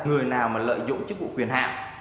người nào mà lợi dụng chức vụ quyền hạ